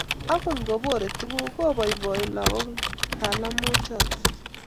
akot ngo borei tukuk, koiboiboi lakok talamoichoto